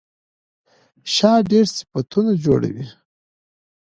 شا ډېر صفتونه جوړوي.